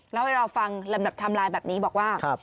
แล้วให้เราฟังลำดับไทม์ไลน์แบบนี้บอกว่า